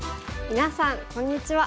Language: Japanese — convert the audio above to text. みなさんこんにちは。